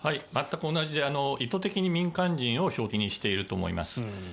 全く同じで意図的に民間人を標的にしていると思います。